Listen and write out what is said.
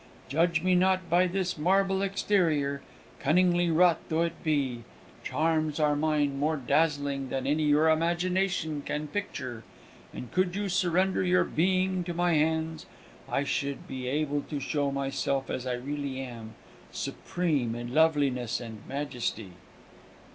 Judge me not by this marble exterior, cunningly wrought though it be. Charms are mine, more dazzling than any your imagination can picture; and could you surrender your being to my hands, I should be able to show myself as I really am supreme in loveliness and majesty!"